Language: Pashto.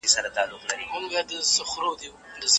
نوي ښوونځي د حکومت لخوا رغول کيږي.